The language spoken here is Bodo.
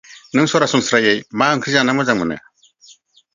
नों सरासनस्रायै मा ओंख्रि जाना मोजां मोनो?